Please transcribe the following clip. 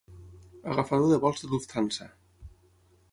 Agafador de vols de Lufthansa.